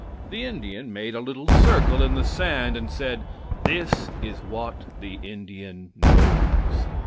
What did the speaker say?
The Indian made a little circle in the sand and said, "That is what the Indian knows."